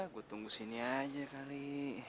gue tunggu sini aja kali